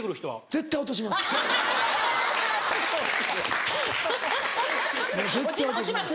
絶対落とします。